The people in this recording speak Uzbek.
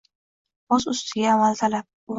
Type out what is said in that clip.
Boz ustiga amaltalab, unvontalab